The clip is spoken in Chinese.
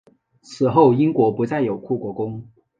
此后英国不再有护国公。